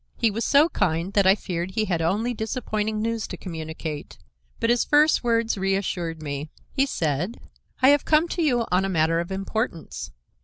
He was so kind that I feared he had only disappointing news to communicate, but his first words reassured me. He said: "I have come to you on a matter of importance.